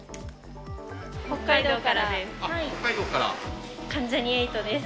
北海道からです。